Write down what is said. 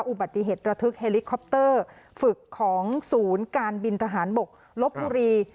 อุบัติเหตุระทึกเฮลิคอปเตอร์ฝึกของศูนย์การบินทหารบกลบบุรี